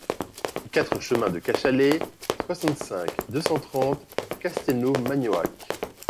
quatre chemin de Cachalet, soixante-cinq, deux cent trente, Castelnau-Magnoac